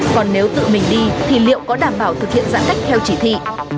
còn nếu tự mình đi thì liệu có đảm bảo thực hiện giãn cách theo chỉ thị